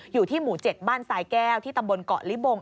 อยู่ที่หมู่๗บ้านสายแก้วที่ตำบลเกาะลิบง